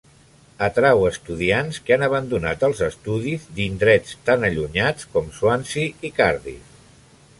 Atrau estudiants que han abandonat els estudis d"indrets tan allunyats com Swansea i Cardiff.